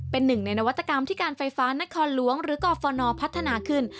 เป็นหนึ่งในนวัตกรรมที่การไฟฟ้านครหลวงหรือกรฟนพัฒนาขึ้น